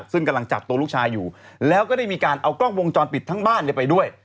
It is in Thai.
ซึ่งกำลังจับตัวลูกชายอยู่แล้วก็ได้มีการเอากล้องวงจรปิดทั้งบ้านไปด้วย